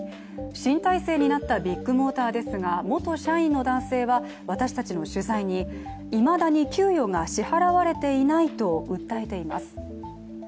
新体制になったビッグモーターですが元社員の男性は私たちの取材に、いまだに給与が支払われていないと訴えています。